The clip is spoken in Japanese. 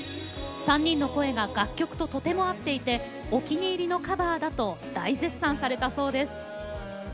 ３人の声が楽曲ととても合っていてお気に入りのカバーだと大絶賛されたそうです。